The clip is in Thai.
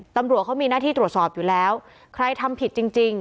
ตำรวจเขามีหน้าที่ตรวจสอบอยู่แล้วใครทำผิดจริงจริง